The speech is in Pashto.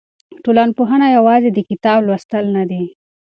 ټولنپوهنه یوازې د کتاب لوستل نه دي.